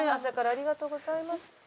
ありがとうございます。